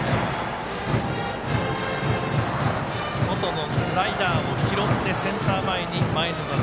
外のスライダーを拾ってセンター前に、前の打席